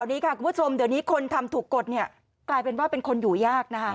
นี้ค่ะคุณผู้ชมเดี๋ยวนี้คนทำถูกกดเนี่ยกลายเป็นว่าเป็นคนอยู่ยากนะคะ